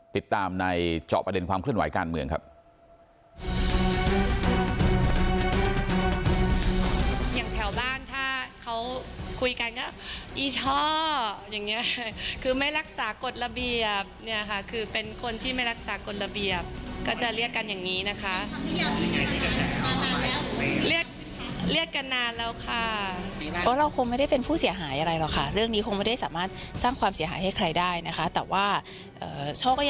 ติดตามในเจาะประเด็นความเคลื่อนไหวการเมืองครับ